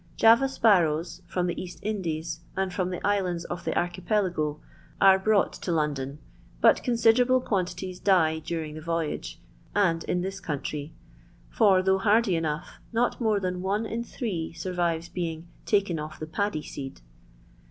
JaTa sparrows, from the East Indies, and from the Islands of the Archipelago, are brought to London, bat considerable qoantities die daring the Toyage and in this eoantrj; for, though hardy enoogh, not more than one in three surrives being " taken off the paddy seed."